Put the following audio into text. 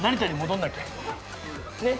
ねっ。